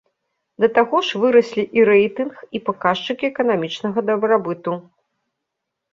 Да таго ж выраслі і рэйтынг і паказчыкі эканамічнага дабрабыту.